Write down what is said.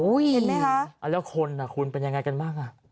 เห็นไหมคะแล้วคนอ่ะคุณเป็นยังไงกันบ้างอ่ะ